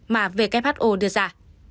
mà who đưa ra